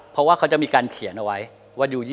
เพราะว่าเขาจะมีการเขียนเอาไว้ว่าดู๒๐